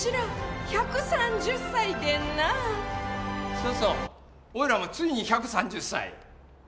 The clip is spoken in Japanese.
そうそう俺らもついに１３０歳。